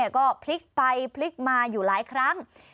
ก็พลิกไปพลิกมาอยู่หลายครั้ง